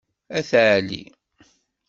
At ɛli.